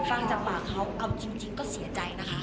ฟังจากปากเขาเอาจริงก็เสียใจนะคะ